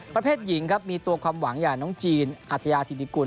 ประเภทหญิงครับมีตัวความหวังอย่างน้องจีนอัธยาธิติกุล